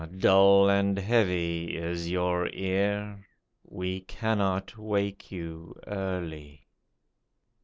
dull and heavy is your ear ; We cannot wake you early.